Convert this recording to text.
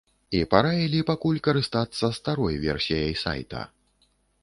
І параілі пакуль карыстацца старой версіяй сайта.